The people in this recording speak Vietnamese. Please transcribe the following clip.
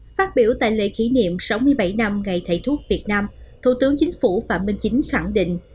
phát biểu tại lễ kỷ niệm sáu mươi bảy năm ngày thầy thuốc việt nam thủ tướng chính phủ phạm minh chính khẳng định